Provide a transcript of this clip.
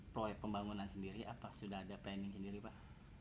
proyek pembangunan sendiri apa sudah ada planning sendiri pak